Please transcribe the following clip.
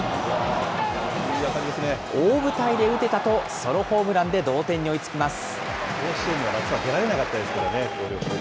大舞台で打てたと、ソロホームランで同点に追いつきます。